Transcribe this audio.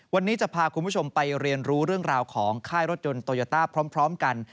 วันนี้จะพาคุณผู้ชมไปเรียนรู้เรื่องราวของค่ายรถยนต์โตโยต้าพร้อมกัน